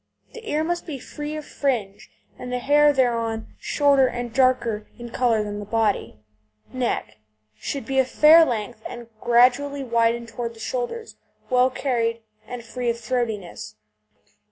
The ear must be free of fringe, and the hair thereon shorter and darker in colour than the body. NECK Should be of a fair length, and gradually widening towards the shoulders, well carried, and free of throatiness.